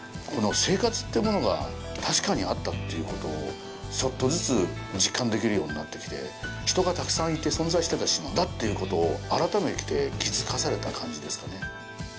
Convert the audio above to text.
この生活というものが確かにあったということをちょっとずつ実感できるようになってきて、人がたくさんいて存在してた島だということを改めて気づかされた感じですかね。